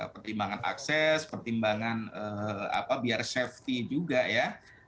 pertimbangan akses pertimbangan apa biar safety juga ya